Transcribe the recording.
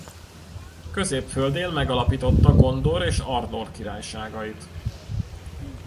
Középföldén megalapította Gondor és Arnor királyságait.